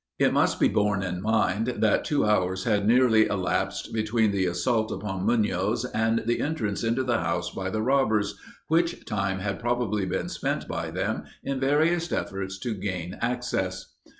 It must be borne in mind, that two hours had nearly elapsed between the assault upon Munoz and the entrance into the house by the robbers, which time had probably been spent by them in various efforts to gain access.